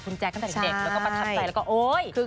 คุณแจ๊คมาตั้งแต่เด็กเต็มอยู่กับมาสเนท